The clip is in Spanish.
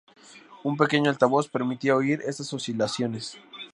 Un pequeño altavoz permitía oír estas oscilaciones.